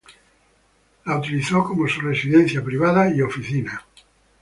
Él la utilizó como su residencia privada y oficina.